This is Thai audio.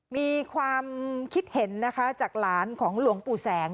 มีความคิดเห็นนะคะจากหลานของหลวงปู่แสง